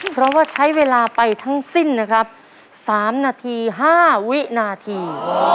เพราะว่าใช้เวลาไปทั้งสิ้นนะครับ๓นาที๕วินาที